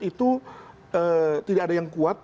itu tidak ada yang kuat